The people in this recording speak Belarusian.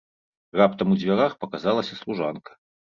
Раптам у дзвярах паказалася служанка.